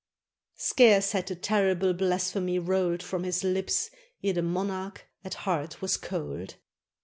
Scarce had the terrible blasphemy rolled From his Ups ere the monarch at heart was cold.